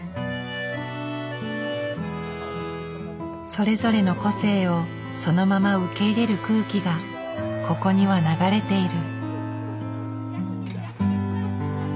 それぞれの個性をそのまま受け入れる空気がここには流れている。